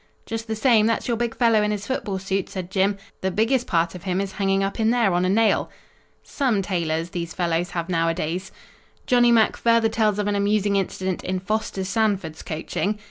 "'Just the same, that's your big fellow in his football suit,' said Jim. 'The biggest part of him is hanging up in there on a nail.' "Some tailors, these fellows have nowadays." Johnny Mack further tells of an amusing incident in Foster Sanford's coaching.